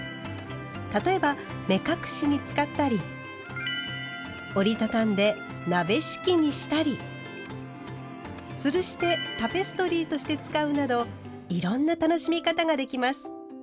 例えば目隠しに使ったり折り畳んで鍋敷きにしたりつるしてタペストリーとして使うなどいろんな楽しみ方ができます。